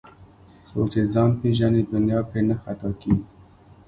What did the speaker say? څوک چې ځان پیژني دنیا پرې نه خطا کېږي